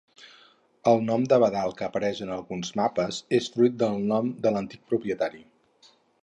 El nom d'Abadal que apareix en alguns mapes és fruit del nom de l'antic propietari.